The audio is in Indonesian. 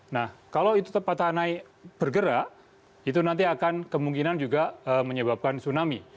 nah kalau itu tetap patahan naik bergerak itu nanti akan kemungkinan juga menyebabkan tsunami